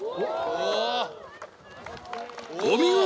お見事！